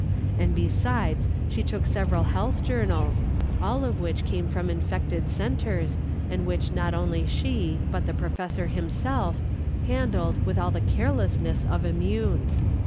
And besides, she took several Health Journals, all of which came from infected centers, and which not only she, but the professor himself, handled with all the carelessness of immunes.